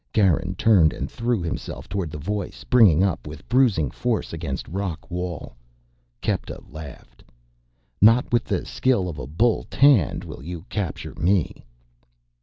Garin turned and threw himself toward the voice, bringing up with bruising force against rock wall. Kepta laughed. "Not with the skill of the bull Tand will you capture me."